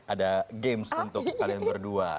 ada games untuk kalian berdua